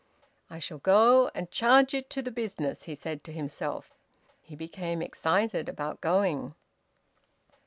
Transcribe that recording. "I shall go, and charge it to the business," he said to himself. He became excited about going.